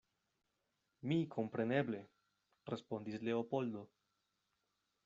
Mi kompreneble, respondis Leopoldo.